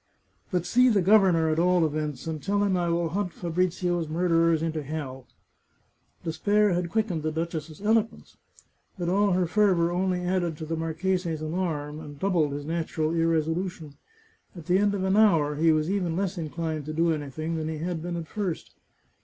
" But see the governor, at all events, and tell him I will hunt Fabrizio's murderers into hell !" Despair had quickened the duchess's eloquence. But all her fervour only added to the marchese's alarm, and doubled his natural irresolution. At the end of an hour he was even less inclined to do anything than he had been at first.